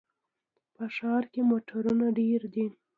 په ښار کې موټرونه ډېر دي.